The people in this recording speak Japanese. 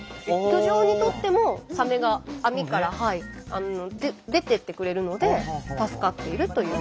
漁場にとってもサメが網から出てってくれるので助かっているという。